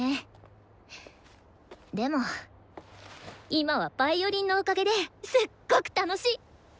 でも今はヴァイオリンのおかげですっごく楽しい。